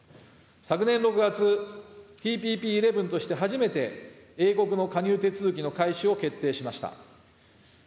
昨年６月、ＴＰＰ１１として初めて英国の加入手続きの開始を決定しました。